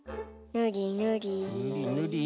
ぬりぬり。